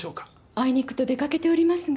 あいにくと出かけておりますが。